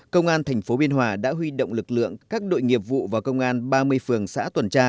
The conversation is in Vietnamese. công an tp biên hòa đã huy động lực lượng các đội nghiệp vụ và công an ba mươi phường xã tuần tra